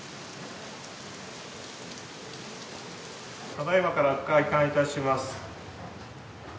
ただ今から開館いたします